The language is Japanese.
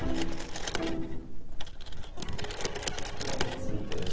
桜についてです。